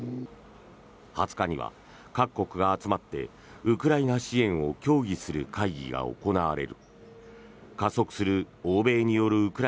２０日には各国が集まってウクライナ支援を協議する会議が行われる。